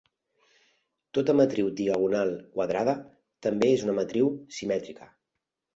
Tota matriu diagonal quadrada també és una matriu simètrica.